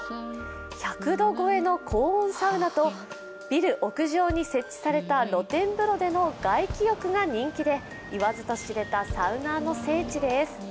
１００度超えの高温サウナとビル屋上に設置された露天風呂での外気浴が人気でいわずと知れたサウナーの聖地です。